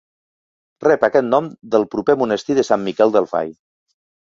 Rep aquest nom del proper monestir de Sant Miquel del Fai.